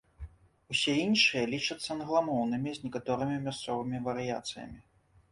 Усе іншыя лічацца англамоўнымі, з некаторымі мясцовымі варыяцыямі.